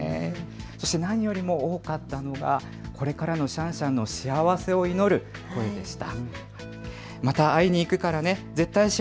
そして何よりも多かったのがこれからのシャンシャンの幸せを祈る声でした。